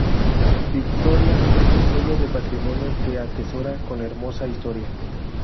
Victoria es un pueblo de patrimonio que atesora con hermosa historia.